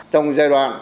trong giai đoạn